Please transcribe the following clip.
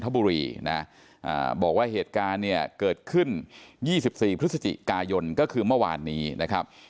บอกว่าเหตุการณ์เนี่ยเกิดขึ้น๒๔พฤศจิกายนก็คือเมื่อวานนี้นะครับ